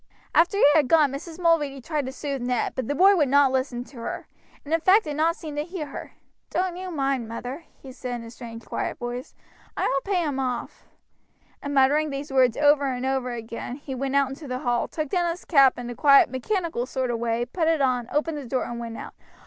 After he had gone Mrs. Mulready tried to soothe Ned, but the boy would not listen to her, and in fact did not seem to hear her. "Don't you mind, mother," he said in a strange, quiet voice, "I will pay him off;" and muttering these words over and over again he went out into the hall, took down his cap in a quiet, mechanical sort of way, put it on, opened the door, and went out.